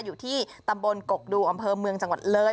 อยู่ที่ตำบลกกดูอำเภอเมืองจังหวัดเลย